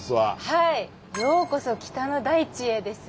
「ようこそ北の大地へ」ですよ。